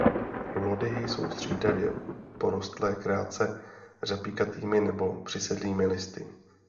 Lodyhy jsou střídavě porostlé krátce řapíkatými nebo přisedlými listy.